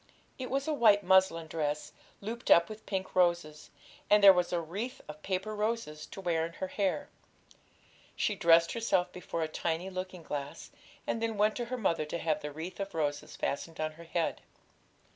It was a white muslin dress, looped up with pink roses, and there was a wreath of paper roses to wear in her hair. She dressed herself before a tiny looking glass, and then went to her mother to have the wreath of roses fastened on her head.